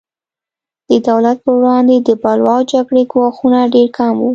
د دولت پر وړاندې د بلوا او جګړې ګواښونه ډېر کم وو.